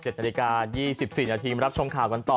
๗นาฬิกา๒๔นาทีมารับชมข่าวกันต่อ